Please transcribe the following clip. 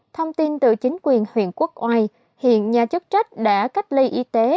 thông tin từ chính quyền huyện quốc oai hiện nhà chức trách đã cách ly y tế